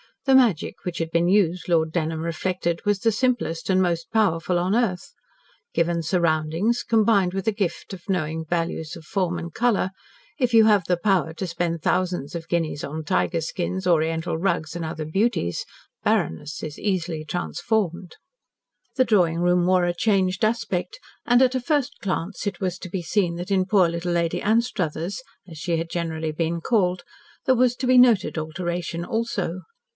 The magic which had been used, Lord Dunholm reflected, was the simplest and most powerful on earth. Given surroundings, combined with a gift for knowing values of form and colour, if you have the power to spend thousands of guineas on tiger skins, Oriental rugs, and other beauties, barrenness is easily transformed. The drawing room wore a changed aspect, and at a first glance it was to be seen that in poor little Lady Anstruthers, as she had generally been called, there was to be noted alteration also.